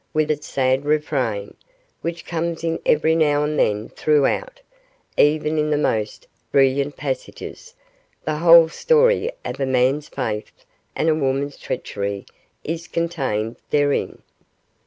with its sad refrain, which comes in every now and then throughout, even in the most brilliant passages. The whole story of a man's faith and a woman's treachery is contained therein.